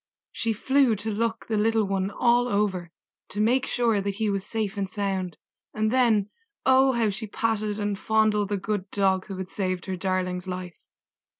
She flew to look the little one all over, to make sure that he was safe and sound, and then, oh! how she patted and fondled the good Dog who had saved her darling's life!